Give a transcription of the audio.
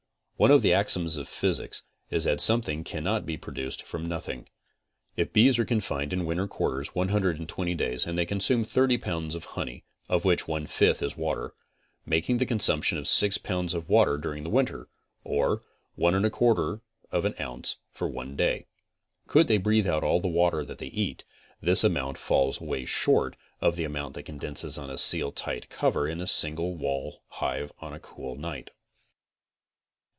™ One of the axioms of physics is that something cannot be produced from nothing. If bees are confined in winter quarters 120 days and they consume 30 pounds of honey, of which 1 5 is water, making the consumption of 6 pounds of water during the winter, or 1 1 4 of an ounce for one day. Could they breathe out all the water that they eat, this amount falls away short of the amount that condenses on a Seal Tight cover in a single wall hive on a cool night.